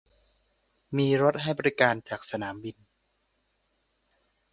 มีรถให้บริการจากสนามบิน